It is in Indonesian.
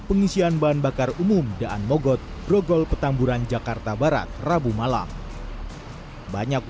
pengisian bahan bakar umum daan mogot grogol petamburan jakarta barat rabu malam banyak